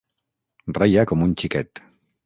Reia com un xiquet.